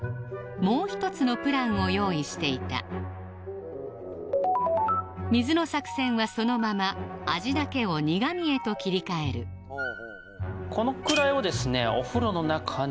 もう一つのプランを用意していた水の作戦はそのまま味だけを苦味へと切り替えるこのくらいをですね